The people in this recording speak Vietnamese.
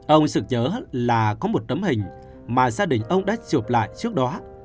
ông sực nhớ là có một tấm hình mà gia đình ông đã chụp lại trước đó